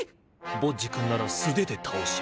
ボッジ君なら素手で倒します。